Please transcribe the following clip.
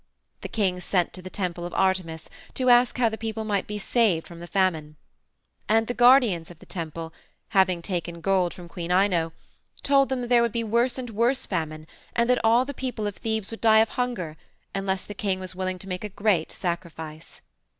"The king sent to the temple of Artemis to ask how the people might be saved from the famine. And the guardians of the temple, having taken gold from Queen Ino, told them that there would be worse and worse famine and that all the people of Thebes would die of hunger unless the king was willing to make a great sacrifice.